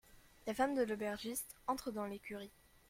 La femme de l'aubergiste entre dans l'écurie.